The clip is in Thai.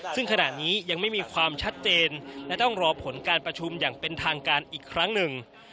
ซึ่งขณะนี้ยังไม่มีความชัดเจนและต้องรอผลการประชุมอย่างเป็นทางการอีกครั้งหนึ่ง